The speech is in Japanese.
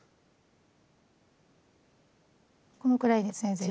このくらいで全然。